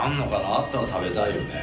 あったら食べたいよね。